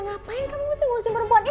ngapain kamu masih ngurusin perempuan itu sih